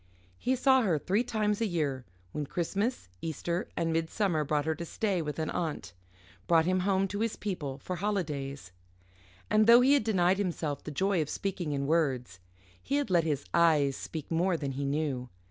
He saw her three times a year, when Christmas, Easter, and Midsummer brought her to stay with an aunt, brought him home to his people for holidays. And though he had denied himself the joy of speaking in words, he had let his eyes speak more than he knew.